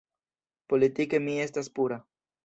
Politike mi estas pura.